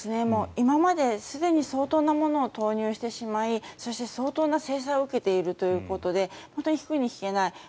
今まですでに相当なものを投入してしまいそして、相当な制裁を受けているということで引くに引けない。